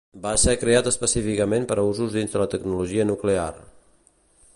Va ser creat específicament per a usos dins de la tecnologia nuclear.